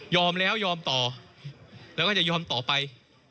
แล้วยอมต่อแล้วก็จะยอมต่อไป